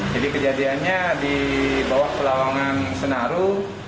jadi kejadiannya di bawah pelawangan senaru